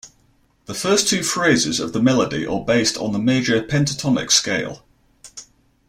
The first two phrases of the melody are based on the major pentatonic scale.